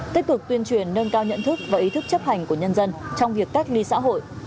tích cực tuyên truyền nâng cao nhận thức và ý thức chấp hành của nhân dân trong việc cách ly xã hội